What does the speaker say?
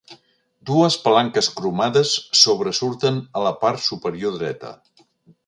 Dues palanques cromades sobresurten a la part superior dreta.